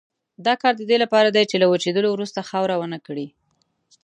دا کار د دې لپاره دی چې له وچېدلو وروسته خاوره ونه کړي.